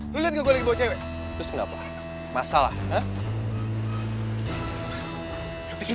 demi besok ibu sudah besarkannya